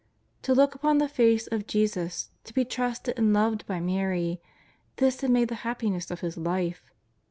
To look upon the face of Jesus, to be trusted and loved by Mary — this had made the happiness of his life.